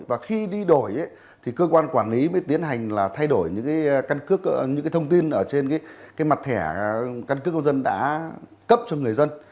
và khi đi đổi thì cơ quan quản lý mới tiến hành là thay đổi những cái thông tin ở trên cái mặt thẻ căn cướp công dân đã cấp cho người dân